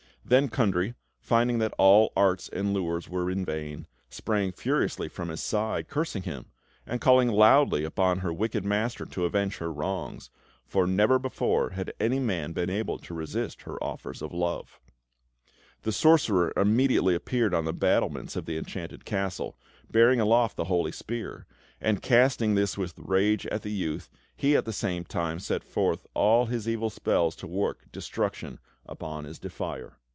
Then Kundry, finding that all arts and lures were in vain, sprang furiously from his side, cursing him, and calling loudly upon her wicked master to avenge her wrongs; for never before had any man been able to resist her offers of love. The sorcerer immediately appeared on the battlements of the Enchanted Castle, bearing aloft the holy spear; and, casting this with rage at the youth, he at the same time set forth his evil spells to work destruction upon his defier.